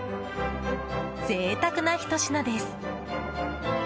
贅沢なひと品です。